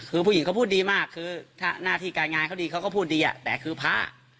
คือผู้หญิงเขาพูดดีมากคือถ้าหน้าที่การงานเขาดีเขาก็พูดดีแต่คือพระ